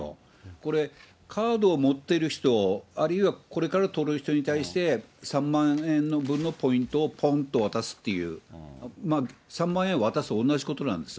これ、カードを持ってる人、あるいはこれから取る人に対して３万円分のポイントをぽんと渡すっていう、まあ、３万円渡すのと同じことなんです。